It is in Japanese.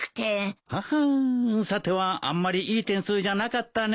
ははんさてはあんまりいい点数じゃなかったねえ。